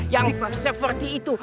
yang seperti itu